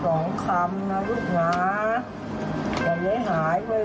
ลูกก็ไม่เคยทำอะไรให้เบียงหายเลย